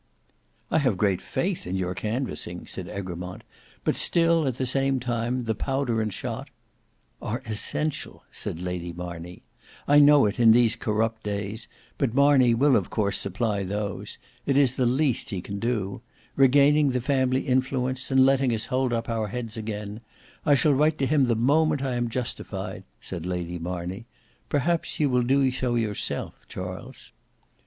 "I have great faith in your canvassing," said Egremont; "but still, at the same time, the powder and shot—" "Are essential," said Lady Marney, "I know it, in these corrupt days: but Marney will of course supply those. It is the least he can do: regaining the family influence, and letting us hold up our heads again. I shall write to him the moment I am justified," said Lady Marney, "perhaps you will do so yourself, Charles."